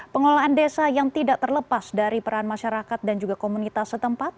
pengelolaan desa yang tidak terlepas dari peran masyarakat dan juga komunitas setempat